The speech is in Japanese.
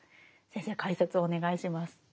先生解説をお願いします。